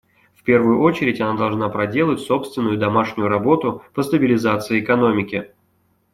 В первую очередь, она должна проделать собственную домашнюю работу по стабилизации экономики.